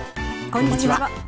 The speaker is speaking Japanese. こんにちは。